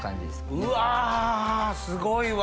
うわぁすごいわ。